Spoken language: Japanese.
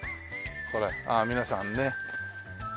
これああ皆さんね。